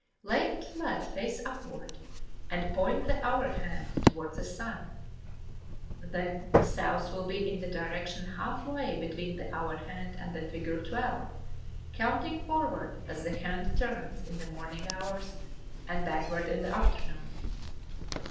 Lay it flat face upward, and point the hour hand toward the sun. Then South will be in the direction half way between the hour hand and the figure 12, counting forward as the hands turn in the morning hours, and backward in the afternoon.